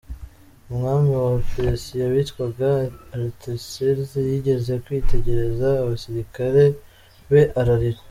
Umwami wa Persia witwaga Artaxerxes yigeze kwitegereza abasirikare be ararira.